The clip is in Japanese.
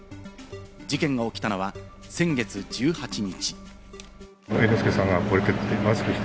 事件が起きたのは先月１８日。